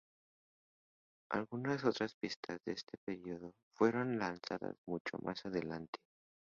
Algunas otras pistas de este período fueron lanzadas mucho más adelante.